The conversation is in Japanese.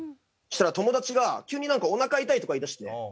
そしたら友達が急になんかおなか痛いとか言いだして。